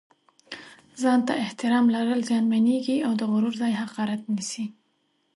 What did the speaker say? ځان ته احترام لرل زیانمېږي او د غرور ځای حقارت نیسي.